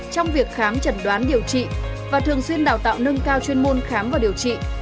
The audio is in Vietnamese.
trong việc khám chẩn đoán điều trị và thường xuyên đào tạo nâng cao chuyên môn khám và điều trị